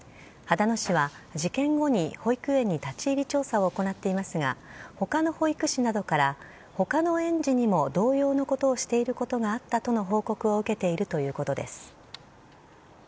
秦野市は事件後に保育園に立ち入り調査を行っていますが他の保育士などから他の園児にも同様のことをしていることがあったとの報告を受けているということです。